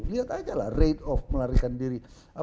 lihat aja lah rate of melarikan diri